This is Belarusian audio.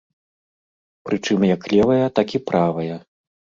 Прычым як левая, так і правая.